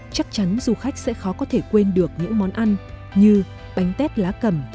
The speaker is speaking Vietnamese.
chắc chắn du khách sẽ khó có thể quên được những món ăn như bánh tét lá cầm